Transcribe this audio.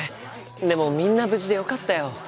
でもみんな無事でよかったよ。